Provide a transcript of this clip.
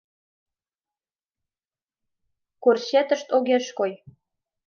Корсетышт огеш кой.